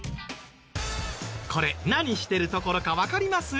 これ何してるところかわかります？